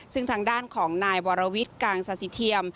ซึ่งทางด้านของนายวรวิทย์กางศาสิเทียม